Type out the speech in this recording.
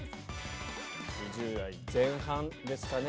２０代前半ですかね